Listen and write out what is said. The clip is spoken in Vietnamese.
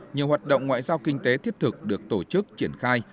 nhiều hoạt động ngoại giao kinh tế thiết thực được tổ chức triển khai